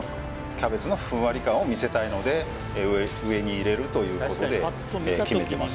キャベツのふんわり感を見せたいので上に入れるということで決めてます